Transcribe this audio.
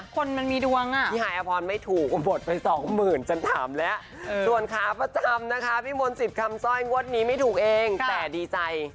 คนมันมีดวงอ่ะพี่หายอพรไม่ถูกก็บดไปสองหมื่นฉันถามแล้วส่วนขาประจำนะคะพี่มนต์สิทธิ์คำสร้อยงวดนี้ไม่ถูกเองแต่ดีใจ